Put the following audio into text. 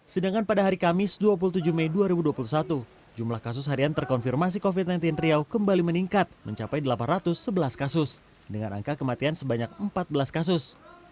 sedangkan pada hari kamis dua puluh tujuh mei dua ribu dua puluh satu jumlah kasus harian terkonfirmasi covid sembilan belas riau kembali meningkat mencapai delapan ratus sebelas kasus dengan angka kematian sebanyak empat belas kasus